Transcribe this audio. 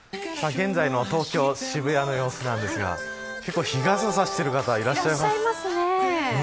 現在の東京渋谷の様子なんですが日傘を差している方がいらっしゃいますね。